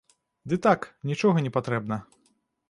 Ды так, нічога не патрэбна.